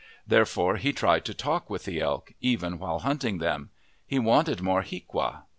Therefore he tried to talk with the elk, even while hunting them. He wanted more hiaqua.